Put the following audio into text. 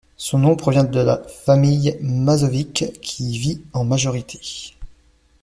Son nom provient de la famille Mašović qui y vit en majorité.